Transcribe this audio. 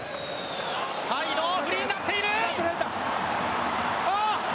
サイドフリーになっている。